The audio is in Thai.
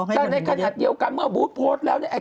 แต่ในขณะเดียวกันเมื่อบูธโพสต์แล้วเนี่ย